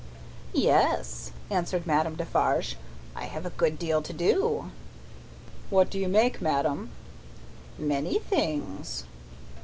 "Yes," answered Madame Defarge; "I have a good deal to do." "What do you make, madame?" "Many things."